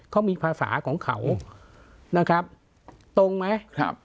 เขามีภาษาของเขานะครับตรงไหมครับ